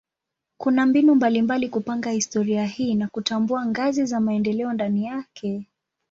Kuna mbinu mbalimbali kupanga historia hii na kutambua ngazi za maendeleo ndani yake.